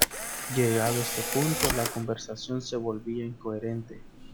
Llegado este punto, la conversación se volvía incoherente.